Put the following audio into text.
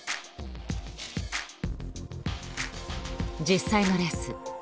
実際のレース。